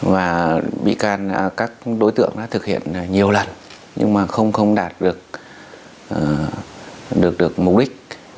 và bị can các đối tượng đã thực hiện nhiều lần nhưng mà không đạt được được mục đích